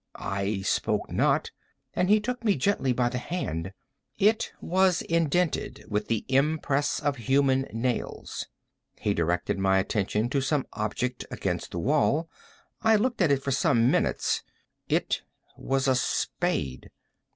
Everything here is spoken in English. I spoke not, and he took me gently by the hand: it was indented with the impress of human nails. He directed my attention to some object against the wall. I looked at it for some minutes: it was a spade.